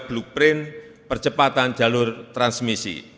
blueprint percepatan jalur transmisi